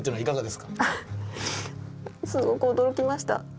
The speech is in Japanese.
すごく驚きました。